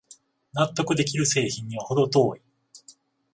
納得できる製品にはほど遠い